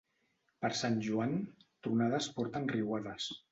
Per Sant Joan, tronades porten riuades.